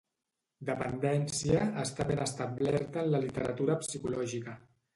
"Dependència" està ben establerta en la literatura psicològica.